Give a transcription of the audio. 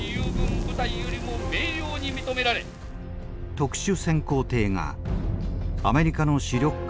特殊潜航艇がアメリカの主力艦